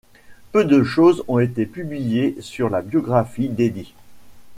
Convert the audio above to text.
Peu de choses ont été publiées sur la biographie d'Eddy.